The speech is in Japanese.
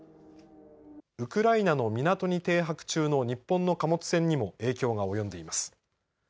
ウクライナの港に停泊中の日本の貨物船にも影響が及んでいます。